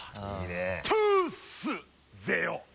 トゥース！ぜよ。